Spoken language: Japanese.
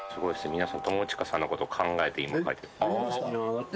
皆さん友近さんのことを考えて今書いてる。